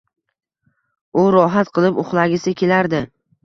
U rohat qilib uxlagisi kelardi.